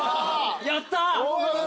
やった！